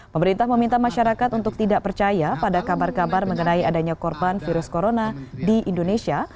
pemerintah meminta masyarakat untuk tidak percaya pada kabar kabar mengenai adanya korban virus corona di indonesia